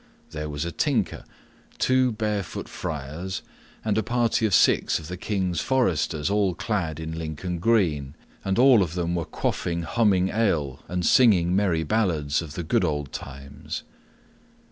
There was a tinker, two barefoot friars, and a party of six of the King's foresters all clad in Lincoln green, and all of them were quaffing humming ale and singing merry ballads of the good old times.